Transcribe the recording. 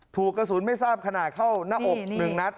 ถูกกระสุนไม่ทราบขนาดเข้าหน้าอก๑นัด